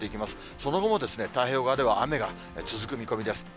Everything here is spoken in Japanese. その後も太平洋側では雨が続く見込みです。